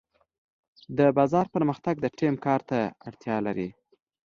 د بازار پرمختګ د ټیم کار ته اړتیا لري.